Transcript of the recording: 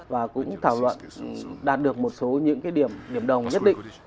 và cũng thảo luận đạt được một số những cái điểm hiểm đồng nhất định